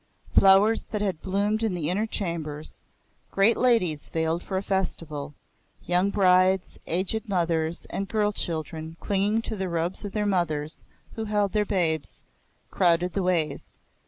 Flowers that had bloomed in the inner chambers, great ladies jewelled for a festival, young brides, aged mothers, and girl children clinging to the robes of their mothers who held their babes, crowded the ways.